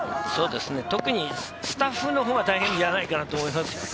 特にスタッフの方は大変じゃないかなと思いますよ。